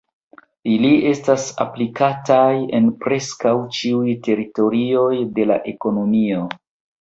Ili estas aplikataj en preskaŭ ĉiuj teritorioj de la ekonomio.